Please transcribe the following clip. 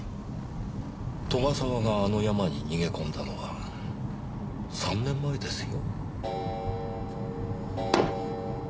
斗ヶ沢があの山に逃げ込んだのは３年前ですよ。